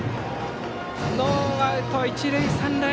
ノーアウト、一塁三塁。